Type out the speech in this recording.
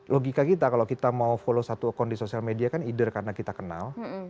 logika kita kalau kita mau follow satu akun di sosial media kan either karena kita kenal